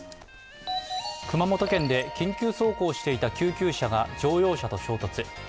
熊本県で緊急走行していた救急車が乗用車と衝突。